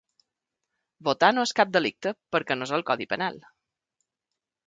Votar no és cap delicte perquè no és al codi penal.